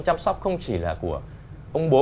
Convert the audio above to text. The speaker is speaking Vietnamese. chăm sóc không chỉ là của ông bố